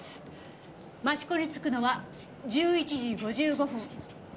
益子に着くのは１１時５５分。